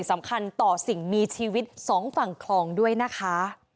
สองฝั่งคลองด้วยนะคะ